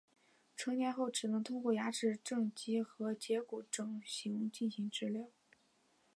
成年后只能通过牙齿正畸和截骨整形进行治疗。